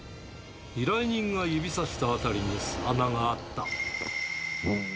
依頼人が指さした辺りに巣穴があった。